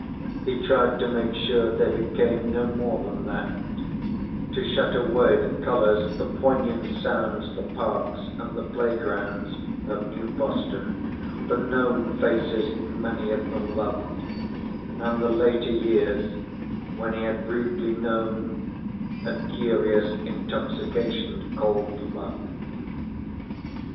He tried to make sure they became no more than that to shut away the colors, the poignant sounds, the parks and the playgrounds of New Boston, the known faces (many of them loved), and the later years when he had briefly known a curious intoxication called fame.